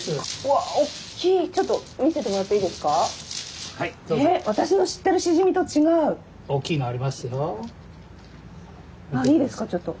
わあいいですかちょっと。